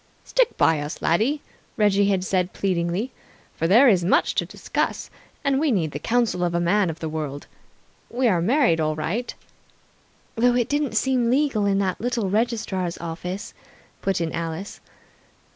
"Stick by us, laddie," Reggie had said pleadingly, "for there is much to discuss, and we need the counsel of a man of the world. We are married all right " "Though it didn't seem legal in that little registrar's office," put in Alice.